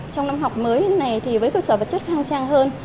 trong năm học mới này thì với cơ sở vật chất khang trang hơn